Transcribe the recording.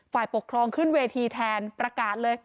ฝ่ายปกครองขึ้นเวทีแทนประกาศเลย